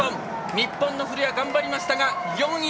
日本の古屋、頑張りましたが４位。